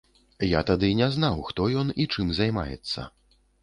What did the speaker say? Я тады не знаў, хто ён і чым займаецца.